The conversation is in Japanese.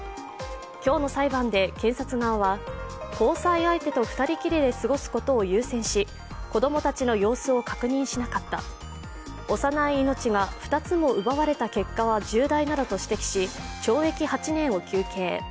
今日の裁判で、検察側は交際相手と２人きりで過ごすことを優先し子供たちの様子を確認しなかった、幼い命が２つも奪われた結果は重大などと指摘し懲役８年を求刑。